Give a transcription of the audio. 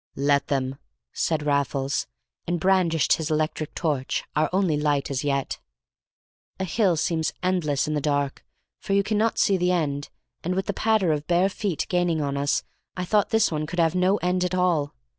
"Let them," said Raffles, and brandished his electric torch, our only light as yet. A hill seems endless in the dark, for you cannot see the end, and with the patter of bare feet gaining on us, I thought this one could have no end at all.